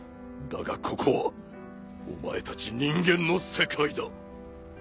だがここはお前たち人間の世界だ。